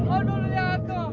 aduh lu lihat tuh